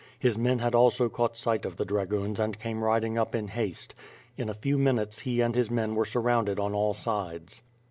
His men had also caught sight of the dragoons and came riding up in haste. In a few minutes, he and hie men were surrounded on all sides.